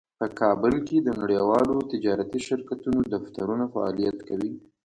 په کابل کې د نړیوالو تجارتي شرکتونو دفترونه فعالیت کوي